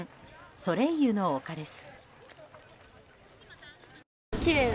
ソレイユの丘です。